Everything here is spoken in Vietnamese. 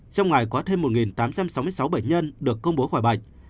trong ngày có thêm một tám trăm sáu mươi sáu bệnh nhân được công bố khỏi bệnh